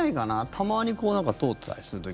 たまに何か通ってたりする時。